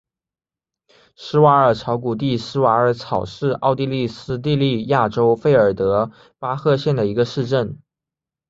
施瓦尔曹谷地施瓦尔曹是奥地利施蒂利亚州费尔德巴赫县的一个市镇。